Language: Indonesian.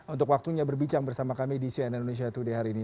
untuk waktunya berbincang bersama kami di cnn indonesia today hari ini